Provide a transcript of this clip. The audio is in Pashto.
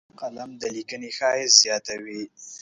قلم د لیکنې ښایست زیاتوي